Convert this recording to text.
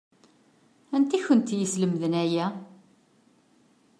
Anta i kent-yeslemden aya?